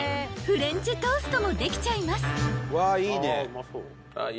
フレンチトーストもできちゃいます］